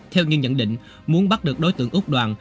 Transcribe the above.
theo nhân nhận định muốn bắt được đối tượng úc đòn